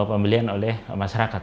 atau pembelian oleh masyarakat